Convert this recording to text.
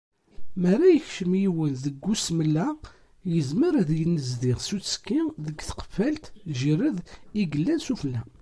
Mi ara yekcem yiwen deg usmel-a, yezmer ad yennezdi s uttekki deg tqeffalt " Jerred" i yellan s ufella.